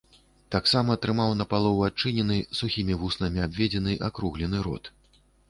Таксама трымаў напалову адчынены, сухімі вуснамі абведзены, акруглены рот.